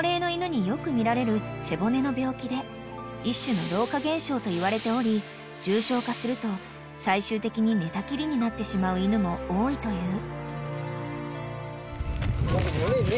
［一種の老化現象といわれており重症化すると最終的に寝たきりになってしまう犬も多いという］